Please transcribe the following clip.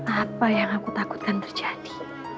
apa yang aku takutkan terjadi